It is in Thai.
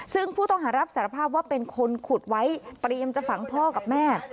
ซึ่งผู้ต้องหารับสารภาพว่าเป็นคนขุดไว้เตรียมจะฝังพ่อกับแม่